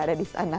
ada di sana